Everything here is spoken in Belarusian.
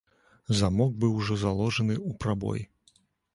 Замок быў ужо заложаны ў прабой.